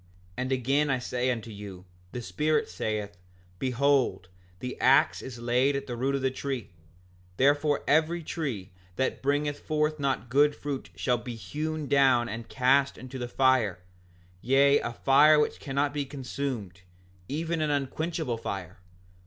5:52 And again I say unto you, the Spirit saith: Behold, the ax is laid at the root of the tree; therefore every tree that bringeth not forth good fruit shall be hewn down and cast into the fire, yea, a fire which cannot be consumed, even an unquenchable fire.